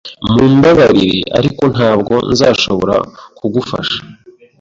Mumbabarire, ariko ntabwo nzashobora kugufasha